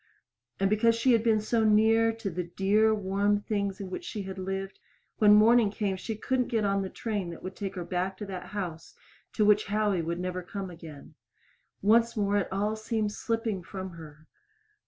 And because she had been so near the dear, warm things in which she had lived, when morning came she couldn't get on the train that would take her back to that house to which Howie would never come again. Once more it all seemed slipping from her.